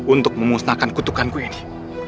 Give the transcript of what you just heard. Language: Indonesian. untuk memusnahkan kutukanku ini